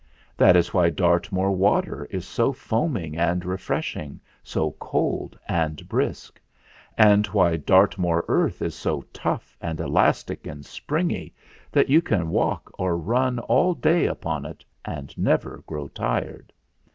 That is why Dartmoor water is so foaming and refreshing, so cold and brisk ; and why Dartmoor earth is so tough and elastic 332 THE FLINT HEART and springy that you can walk or run all day upon it, and never grow tired.